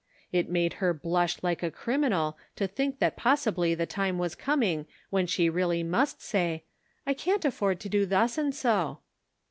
It made her blush like a criminal to think that possibly the time was coming when she really must say, " I can't afford to do thus and so."